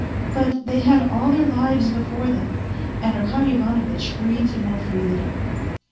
But they had all their lives before them, and Arkady Ivanovitch breathed more freely.